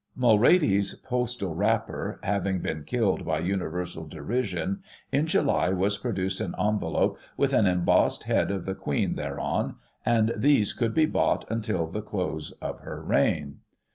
Mulready's postal wrapper having been killed by universal derision : in July was produced an envelope with an embossed head of the Queen thereon, and these could be bought until the close of her reign.